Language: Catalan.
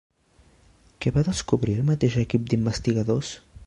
Què va descobrir el mateix equip d'investigadors?